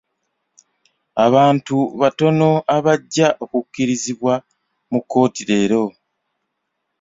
Abantu batono abajja okukirizibwa mu kkooti leero.